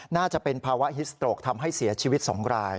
น่าจะเป็นภาวะฮิสโตรกทำให้เสียชีวิต๒ราย